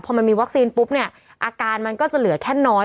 พอมันมีวัคซีนปุ๊บเนี่ยอาการมันก็จะเหลือแค่น้อย